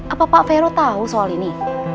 apa pak vero tahu soal ini